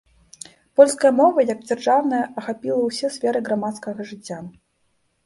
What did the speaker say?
Польская мова, як дзяржаўная ахапіла ўсе сферы грамадскага жыцця.